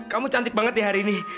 kamu cantik banget di hari ini